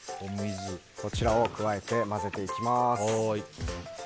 こちらを加えて混ぜていきます。